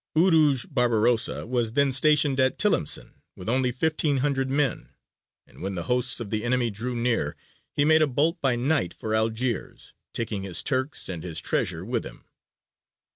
Urūj Barbarossa was then stationed at Tilimsān with only 1,500 men, and when the hosts of the enemy drew near he made a bolt by night for Algiers, taking his Turks and his treasure with him.